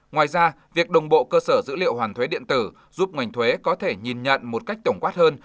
ngoài ra việc đồng bộ cơ sở dữ liệu hoàn thuế điện tử giúp ngành thuế có thể nhìn nhận một cách tổng quát hơn